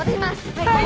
はい！